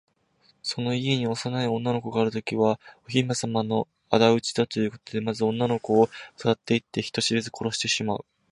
その家に幼い女の子があるときは、お姫さまのあだ討ちだというので、まず女の子をさらっていって、人知れず殺してしまう。